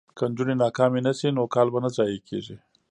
که نجونې ناکامې نه شي نو کال به نه ضایع کیږي.